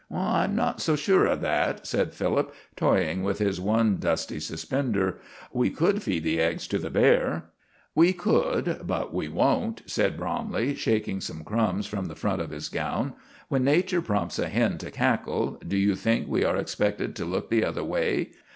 "I am not so sure of that," said Philip, toying with his one dusty suspender; "we could feed the eggs to the bear." "We could, but we won't," said Bromley, shaking some crumbs from the front of his gown. "When nature prompts a hen to cackle, do you think we are expected to look the other way?